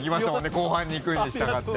後半に行くにしたがって。